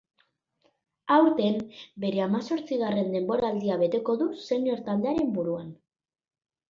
Aurten, bere hamazortzigarren denboraldia beteko du senior taldearen buruan.